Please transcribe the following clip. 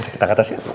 kita ke atas yuk